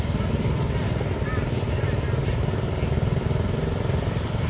เมื่อเวลาอันดับสุดท้ายจะมีเวลาอันดับสุดท้ายมากกว่า